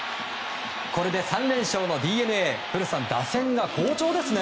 これで３連勝のＤｅＮＡ古田さん、打線が好調ですね。